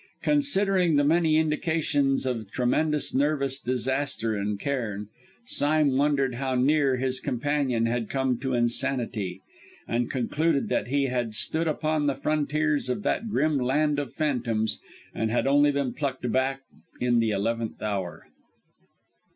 Considering the many indications of tremendous nervous disaster in Cairn, Sime wondered how near his companion had come to insanity, and concluded that he had stood upon the frontiers of that grim land of phantoms, and had only been plucked back in the eleventh hour.